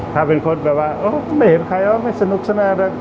ถ้าเป็นคนแบบว่าไม่เห็นใครว่าไม่สนุกสนานเลย